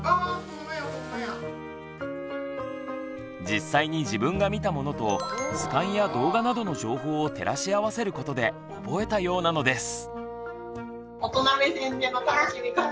実際に自分が見たものと図鑑や動画などの情報を照らし合わせることで覚えたようなのです。